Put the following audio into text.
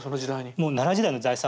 もう奈良時代の財産